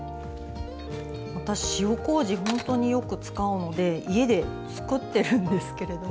私塩こうじほんとによく使うので家で作ってるんですけれども。